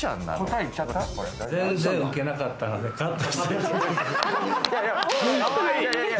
全然ウケなかったのでカットして。